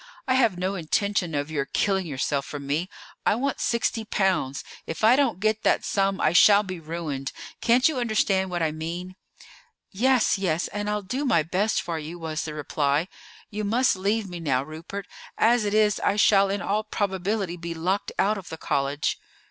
"I have no intention of your killing yourself for me. I want sixty pounds; if I don't get that sum I shall be ruined. Can't you understand what I mean?" "Yes, yes; and I'll do my best for you," was the reply. "You must leave me now, Rupert. As it is, I shall in all probability be locked out of the college."